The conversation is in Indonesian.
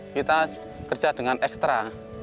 kita kerja dengan ekstra